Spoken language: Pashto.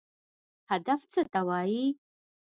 هدف څه ته وایي؟